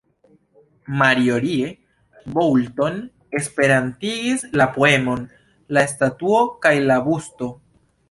Marjorie Boulton esperantigis la poemon "La Statuo kaj la Busto".